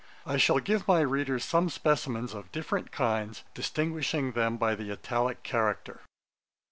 I shall give my readers some specimens of different kinds, distinguishing them by the Italick character.